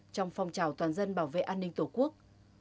trong phong trào toàn dân bảo vệ an ninh tổ quốc